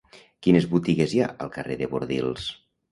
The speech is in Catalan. Quines botigues hi ha al carrer de Bordils?